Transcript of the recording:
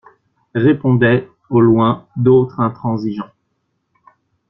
Répondaient, au loin, d'autres intransigeants.